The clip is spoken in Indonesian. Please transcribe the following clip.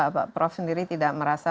pak prof sendiri tidak merasa